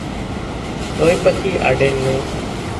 ލޯތްބަކީ އަޑެއް ނޫން